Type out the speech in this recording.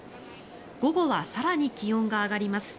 午後は、更に気温が上がります。